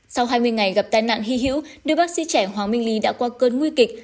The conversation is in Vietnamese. sau hai mươi ngày gặp tai nạn hy hữu đưa bác sĩ trẻ hoàng minh lý đã qua cơn nguy kịch